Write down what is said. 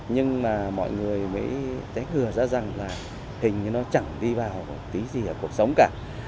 nhưng mà mọi người mới té ngừa ra rằng là hình như nó chẳng đi vào tí gì ở cuộc sống cả